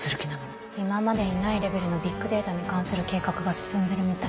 今までにないレベルのビッグデータに関する計画が進んでるみたい。